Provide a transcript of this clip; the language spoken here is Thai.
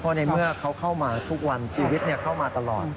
เพราะในเมื่อเขาเข้ามาทุกวันชีวิตเข้ามาตลอด